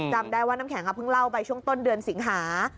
จำได้ว่าน้ำแข็งเพิ่งเล่าไปช่วงต้นเดือนสิงหา